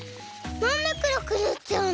なんでくろくぬっちゃうの？